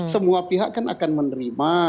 semua pihak kan akan menerima